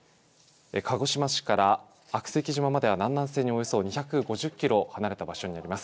鹿児島市から悪石島までは南南西におよそ２５０キロ離れた場所になります。